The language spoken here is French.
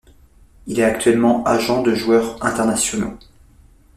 Il est actuellement agent de joueurs internationaux.